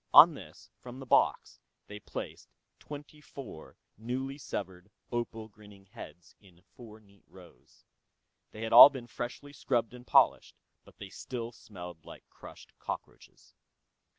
On this, from the box, they placed twenty four newly severed opal grinning heads, in four neat rows. They had all been freshly scrubbed and polished, but they still smelled like crushed cockroaches.